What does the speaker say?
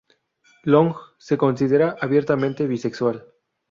Long se considera abiertamente bisexual.